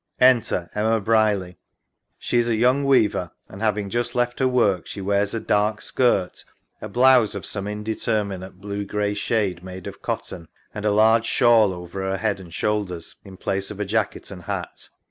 [Enter Emma Brierly. She is a young weaver, and, having just left her ivork, she loears a dark skirt, a blouse of some in determinate blue grey shade made of cotton, and a large shawl over her head and shoidders in place of a jacket and hat.